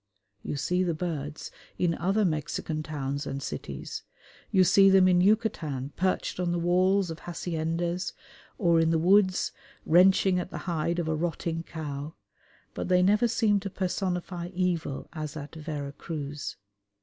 You see the birds in other Mexican towns and cities: you see them in Yucatan perched on the walls of haciendas or in the woods wrenching at the hide of a rotting cow, but they never seem to personify evil as at Vera Cruz.